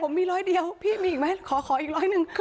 ผมมีร้อยเดียวพี่มีอีกไหมขออีกร้อยหนึ่ง